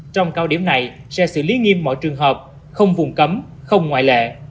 trong cao điểm này sẽ xử lý nghiêm mọi trường hợp không vùng cấm không ngoại lệ